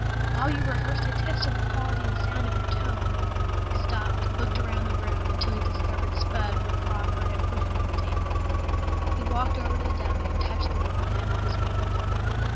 While you rehearsed I tested the quality and sound of your tone." He stopped, looked around the room until he discovered Spud where Crawford had put him on the chair. He walked over to the dummy and touched the wooden head with his hand.